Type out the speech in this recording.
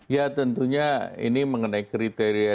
ya tentunya ini mengenai kriteria